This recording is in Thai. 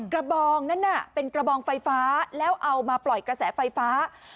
บองนั้นน่ะเป็นกระบองไฟฟ้าแล้วเอามาปล่อยกระแสไฟฟ้า